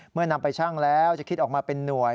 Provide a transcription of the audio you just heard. นำไปชั่งแล้วจะคิดออกมาเป็นหน่วย